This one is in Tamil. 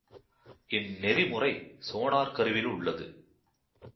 இந்நெறிமுறை சோனார் கருவியில் உள்ளது.